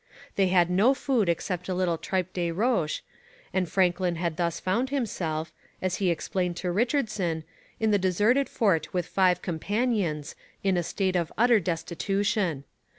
They had no food except a little tripe de roche, and Franklin had thus found himself, as he explained to Richardson, in the deserted fort with five companions, in a state of utter destitution.